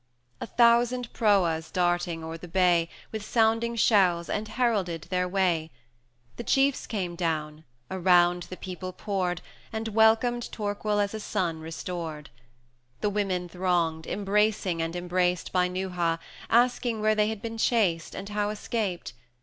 A thousand Proas darted o'er the bay, With sounding shells, and heralded their way; The chiefs came down, around the people poured, And welcomed Torquil as a son restored; The women thronged, embracing and embraced By Neuha, asking where they had been chased, 410 And how escaped?